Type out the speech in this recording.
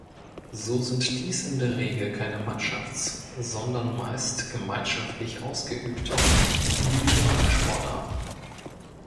So sind dies in der Regel keine Mannschafts-, sondern meist gemeinschaftlich ausgeübte Individualsportarten.